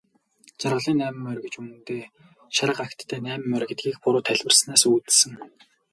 Жаргалын найман морь гэж үнэндээ шарга агттай найман морь гэдгийг буруу тайлбарласнаас үүссэн.